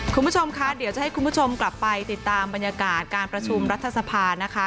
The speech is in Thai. คุณผู้ชมคะเดี๋ยวจะให้คุณผู้ชมกลับไปติดตามบรรยากาศการประชุมรัฐสภานะคะ